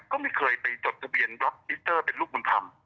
ก็ไม่เคยไปจดทะเบียนรับมิเตอร์เป็นลูกบุญธรรม